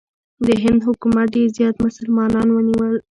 د هند حکومت ډېر زیات مسلمانان ونیول.